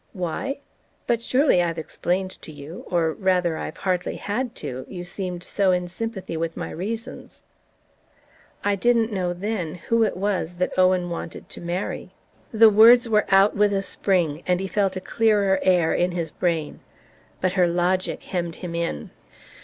"Why? But surely I've explained to you or rather I've hardly had to, you seemed so in sympathy with my reasons!" "I didn't know, then, who it was that Owen wanted to marry." The words were out with a spring and he felt a clearer air in his brain. But her logic hemmed him in.